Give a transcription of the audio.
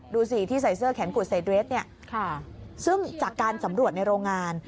ดูสิที่ใส่เสื้อแขนกุดใส่เดรสเนี่ยซึ่งจากการสำรวจในโรงงาน